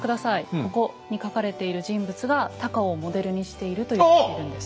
ここに描かれている人物が高尾をモデルにしているといわれてるんです。